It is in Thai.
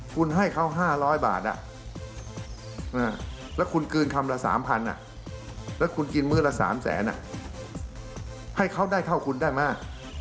คุณให้เขา๕๐๐บาทแล้วคุณคืนคำละ๓๐๐แล้วคุณกินมื้อละ๓แสนให้เขาได้เท่าคุณได้ไหม